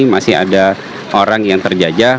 masih ada orang yang terjajah